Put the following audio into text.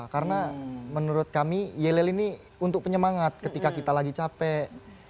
karena menurut kami yel yel ini untuk penyemangat ketika kita lagi capek